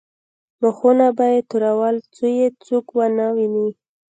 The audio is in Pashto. مخونه به یې تورول څو یې څوک ونه ویني.